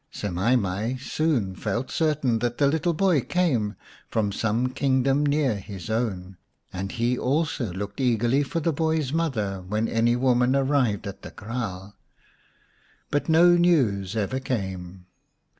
Semai mai soon felt certain that the little boy came from some kingdom near his own, and he also looked eagerly for the boy's mother when any woman arrived at the kraal, but no news ever came.